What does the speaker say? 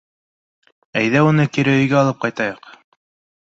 Әйҙә, уны кире өйгә алып ҡайтайыҡ.